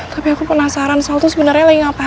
tapi aku penasaran sal tuh sebenarnya lagi ngapain sih